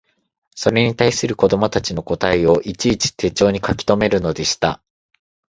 それに対する子供たちの答えをいちいち手帖に書きとめるのでした